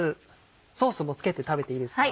ソースも付けて食べていいですか？